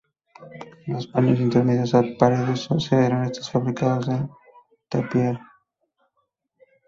Los paños intermedios o paredes de cierre están fabricados en tapial.